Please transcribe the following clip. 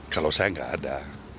kalau saya nggak ada